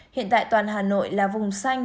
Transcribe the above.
hiện tại toàn hà nội là vùng xanh